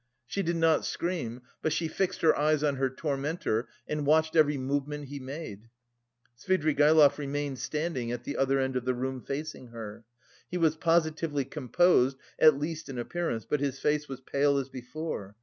She did not scream, but she fixed her eyes on her tormentor and watched every movement he made. Svidrigaïlov remained standing at the other end of the room facing her. He was positively composed, at least in appearance, but his face was pale as before.